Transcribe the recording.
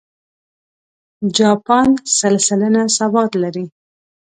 جاپان سل سلنه سواد لري.